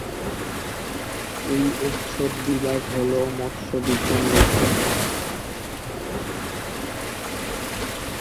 এই অনুষদের বিভাগ হলো: মৎস্য বিজ্ঞান বিভাগ।